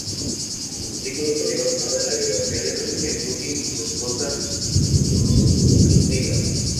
La película estaría basada en la biografía de Vladímir Putin y su esposa Lyudmila.